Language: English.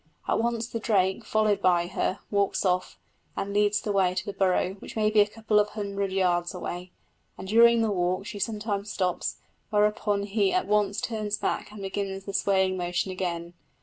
At once the drake, followed by her, walks off, and leads the way to the burrow, which may be a couple of hundred yards away; and during the walk she sometimes stops, whereupon he at once turns back and begins the swaying motion again.